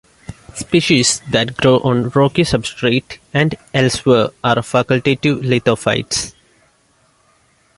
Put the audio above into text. Species that grow on rocky substrate and elsewhere are facultative lithophytes.